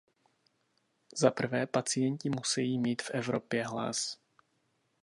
Zaprvé, pacienti musejí mít v Evropě hlas.